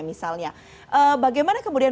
misalnya bagaimana kemudian